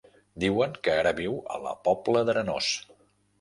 Diuen que ara viu a la Pobla d'Arenós.